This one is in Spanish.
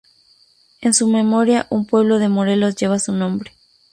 En su memoria un pueblo de Morelos lleva su nombre.